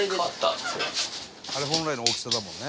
「あれ本来の大きさだもんね」